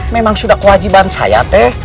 memang sudah kewajiban saya teh